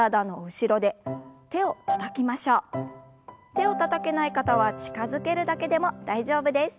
手をたたけない方は近づけるだけでも大丈夫です。